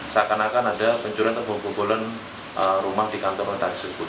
seakan akan ada pencurian terhubung hubungan rumah di kantor mentari sebut